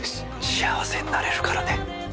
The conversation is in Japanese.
「幸せになれるからね」